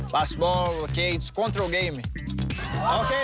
บอสบอลโอเคเป็นเกมซ์ควบคุม